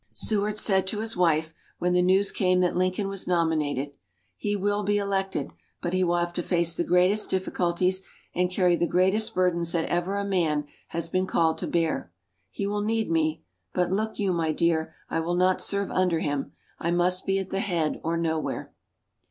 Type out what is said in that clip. Seward said to his wife, when the news came that Lincoln was nominated: "He will be elected, but he will have to face the greatest difficulties and carry the greatest burdens that ever a man has been called to bear. He will need me, but look you, my dear, I will not serve under him. I must be at the head or nowhere."